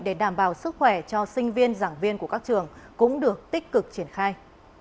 để đảm bảo sức khỏe cho sinh viên giảng viên của các trường cũng được tích cực triển khai